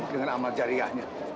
dengan amal jariahnya